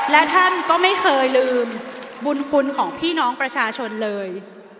และท่านก็ไม่เคยลืมบุญคุณของพี่น้องประชาชนเลย